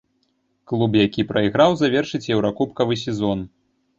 Клуб, які прайграў, завершыць еўракубкавы сезон.